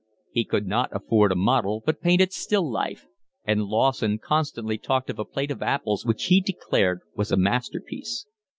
He could not afford a model but painted still life, and Lawson constantly talked of a plate of apples which he declared was a masterpiece.